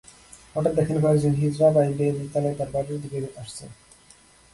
হঠাৎ দেখেন কয়েকজন হিজড়া পাইপ বেয়ে দোতলায় তাঁর বাড়ির দিকে আসছে।